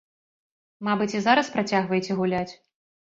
Мабыць, і зараз працягваеце гуляць?